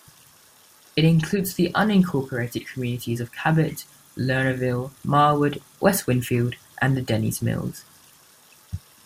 It includes the unincorporated communities of Cabot, Lernerville, Marwood, West Winfield, and Dennys Mills.